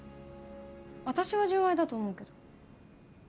私は純愛だと思うけど。